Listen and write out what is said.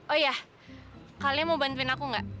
oh iya kalian mau bantuin aku nggak